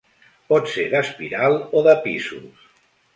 Pot ser d'espiral o de pisos.